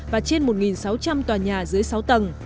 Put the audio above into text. và trên một sáu trăm linh tòa nhà dưới sáu tầng